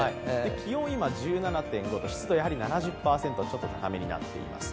気温今１７．５度、湿度７０％、ちょっと高めになっています。